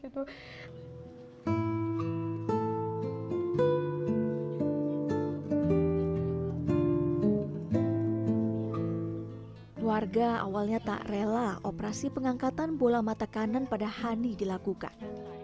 keluarga awalnya tak rela operasi pengangkatan bola mata kanan pada hani dilakukan